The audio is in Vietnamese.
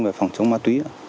về phòng chống ma túy